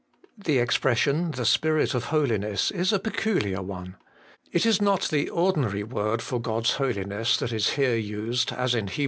The expression, the Spirit of holiness, is a peculiar one. It is not the ordinary word for God's Holiness that is here used as in Heb.